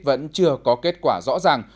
vẫn chưa có kết quả rõ ràng